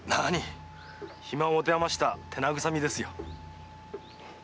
暇を持て余した手なぐさみですよ。